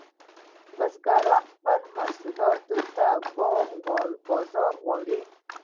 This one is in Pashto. بزګران خپلو محصولاتو ته بازار غواړي